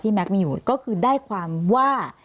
พี่เรื่องมันยังไงอะไรยังไง